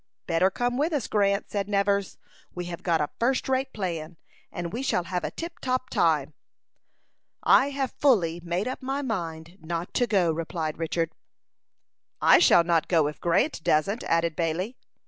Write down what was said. "Better come with us, Grant," said Nevers. "We have got a first rate plan, and we shall have a tip top time." "I have fully made up my mind not to go," replied Richard. "I shall not go, if Grant doesn't," added Bailey.